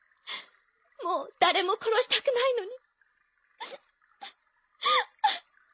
もう誰も殺したくないのに。